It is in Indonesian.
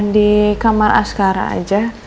di kamar askara aja